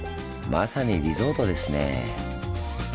まさにリゾートですねぇ。